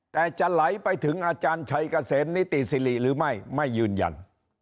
แต่จะไหลไปถึงอาจารย์ชัยเกษมนิติสิริหรือไม่ไม่ยืนยัน